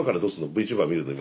ＶＴｕｂｅｒ見るの？